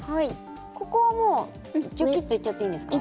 ここはもうじょきっていっちゃっていいですか？